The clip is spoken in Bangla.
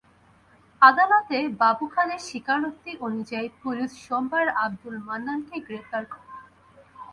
আদালতে বাবু খানের স্বীকারোক্তি অনুযায়ী পুলিশ সোমবার আবদুল মান্নানকে গ্রেপ্তার করে।